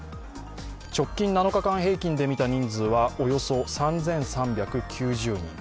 直近７日間平均で見た人数は、およそ３３９０人。